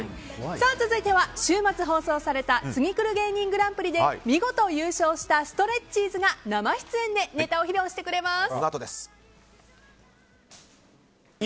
続いては、週末放送された「ツギクル芸人グランプリ」で見事優勝したストレッチーズが生出演でネタを披露してくれます。